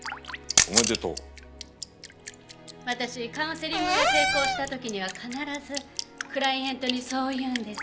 私カウンセリングが成功した時には必ずクライエントにそう言うんです。